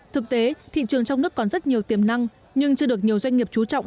thực tế thị trường trong nước còn rất nhiều tiềm năng nhưng chưa được nhiều doanh nghiệp trú trọng